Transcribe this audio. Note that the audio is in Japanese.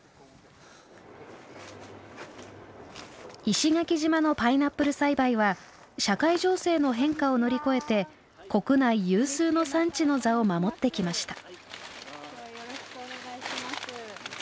石垣島のパイナップル栽培は社会情勢の変化を乗り越えて国内有数の産地の座を守ってきました。